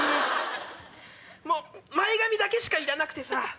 もう前髪だけしかいらなくてさ。